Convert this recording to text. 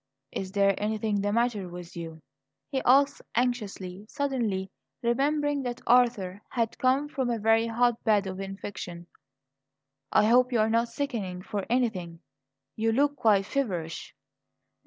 "Is there anything the matter with you?" he asked anxiously, suddenly remembering that Arthur had come from a very hotbed of infection. "I hope you're not sickening for anything. You look quite feverish."